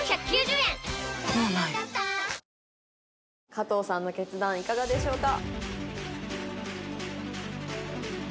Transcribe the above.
かとうさんの決断いかがでしょうか？